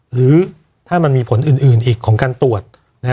หรือถ้ามันมีผลอื่นอีกของการตรวจ